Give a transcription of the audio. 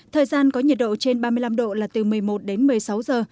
thời gian có nhiệt độ trên ba mươi năm độ là từ một mươi một đến một mươi sáu giờ